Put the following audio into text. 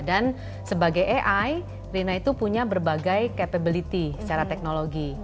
dan sebagai ai rina itu punya berbagai capability secara teknologi